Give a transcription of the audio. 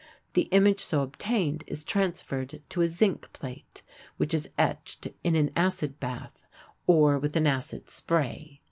The image so obtained is transferred to a zinc plate, which is etched in an acid bath or with an acid spray.